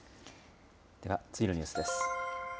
次のニュースです。